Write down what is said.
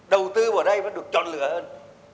đầu tư vào đây phải được chọn lựa hơn